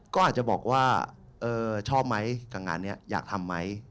ก็อาจจะบอกว่าชอบไหมกับงานนี้อยากทำไหม